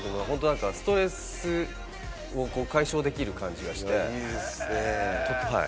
ストレスを解消できる感じがして、はい。